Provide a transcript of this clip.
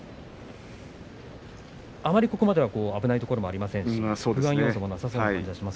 あまりここまでは危ないところもありませんね。